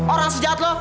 orang sejahat lo